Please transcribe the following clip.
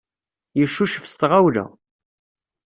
Yeccucef s tɣawla.